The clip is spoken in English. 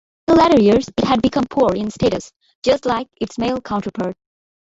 In later years it had become poor in status just like its male counterpart.